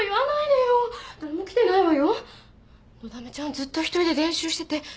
ずっと一人で練習してて。